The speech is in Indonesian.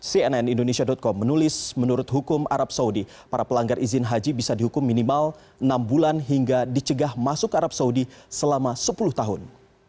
cnn indonesia com menulis menurut hukum arab saudi para pelanggar izin haji bisa dihukum minimal enam bulan hingga dicegah masuk arab saudi selama sepuluh tahun